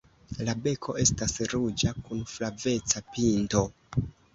La beko estas ruĝa kun flaveca pinto.